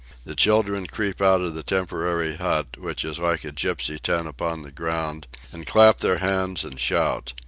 The children creep out of the temporary hut, which is like a gipsy tent upon the ground, and clap their hands and shout.